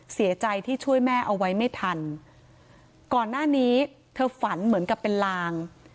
เสียใจที่ช่วยแม่เอาไว้ไม่ทันก่อนหน้านี้เธอฝันเหมือนกับเป็นลาง